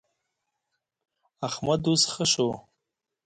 احمد اوس ښه شو.